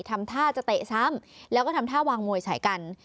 ทำท่าจะเตะซ้ำแล้วก็ทำท่าวางมวยใส่กัน